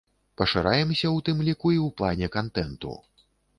Пашыраемся ў тым ліку і ў плане кантэнту.